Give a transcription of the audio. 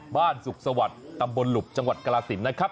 สุขสวัสดิ์ตำบลหลุบจังหวัดกรสินนะครับ